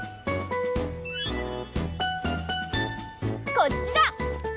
こっちだ！